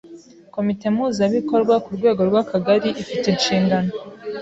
Komite mpuzabikorwa ku rwego rw’Akagari ifi te inshingano